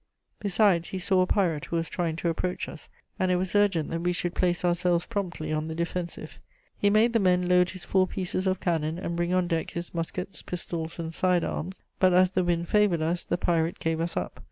Besides, he saw a pirate who was trying to approach us, and it was urgent that we should place ourselves promptly on the defensive. He made the men load his four pieces of cannon and bring on deck his muskets, pistols and side arms; but, as the wind favoured us, the pirate gave us up.